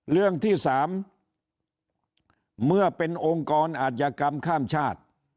เรื่องที่สามเมื่อเป็นองค์กรอาธิกรรมข้ามชาติ